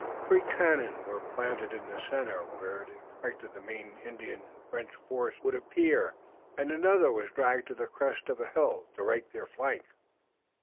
Three cannon were planted in the center, where it was expected the main Indian and French force would appear, and another was dragged to the crest of a hill to rake their flank.